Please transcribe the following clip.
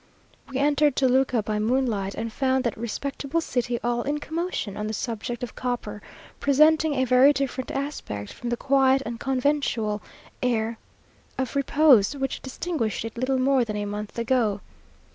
We entered Toluca by moonlight, and found that respectable city all in commotion on the subject of copper; presenting a very different aspect from the quiet and conventual air of repose which distinguished it little more than a month ago.